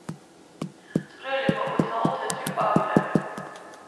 წვრილი მოყვითალო-თეთრი ყვავილები.